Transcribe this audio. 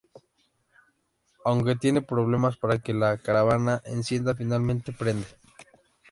Aunque tienen problemas para que la caravana encienda, finalmente prende.